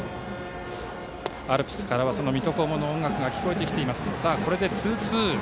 アルプスから「水戸黄門」の音楽が聞こえてきています。